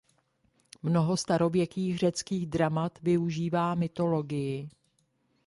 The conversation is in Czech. Mnoho starověkých řeckých dramat využívá mytologii.